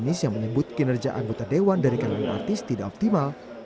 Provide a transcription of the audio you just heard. anies yang menyebut kinerja anggota dewan dari kalangan artis tidak optimal